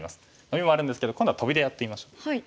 ノビもあるんですけど今度はトビでやってみましょう。